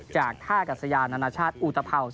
จากท่ากัศยานานาชาติอุตภัว